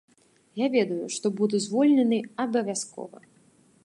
Я ведаю, што буду звольнены абавязкова.